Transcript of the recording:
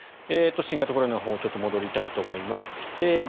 新型コロナのほうに戻りたいと思います。